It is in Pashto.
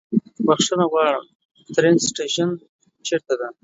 بښنه غواړم، د ټرين سټيشن چيرته ده؟